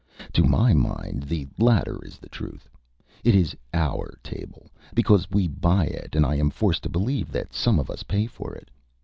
To my mind, the latter is the truth. It is our table, because we buy it, and I am forced to believe that some of us pay for it.